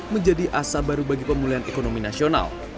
menjadi asa baru bagi pemulihan ekonomi nasional